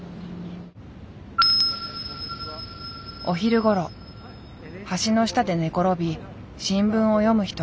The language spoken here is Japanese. お昼ごろ橋の下で寝転び新聞を読む人がいた。